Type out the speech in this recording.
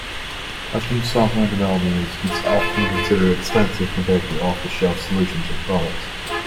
Custom software development is often considered expensive compared to off-the-shelf solutions or products.